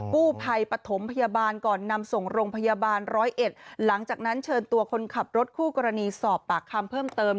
กู้ภัยปฐมพยาบาลก่อนนำส่งโรงพยาบาลร้อยเอ็ดหลังจากนั้นเชิญตัวคนขับรถคู่กรณีสอบปากคำเพิ่มเติม